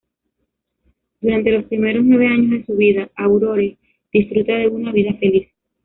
Durante los primeros nueve años de su vida, Aurore disfruta de una vida feliz.